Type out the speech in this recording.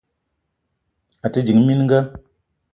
A te ding mininga.